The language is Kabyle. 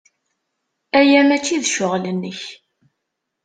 Aya maci d ccɣel-nnek.